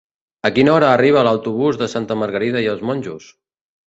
A quina hora arriba l'autobús de Santa Margarida i els Monjos?